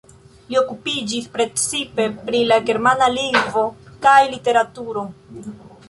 Li okupiĝis precipe pri la germana lingvo kaj literaturo.